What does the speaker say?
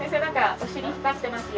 お尻光ってますよ。